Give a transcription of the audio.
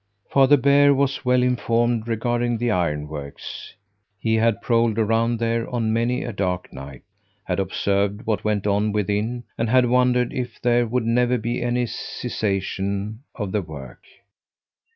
Father Bear was well informed regarding the ironworks. He had prowled around there on many a dark night, had observed what went on within, and had wondered if there would never be any cessation of the work.